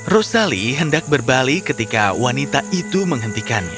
rosali hendak berbalik ketika wanita itu menghentikannya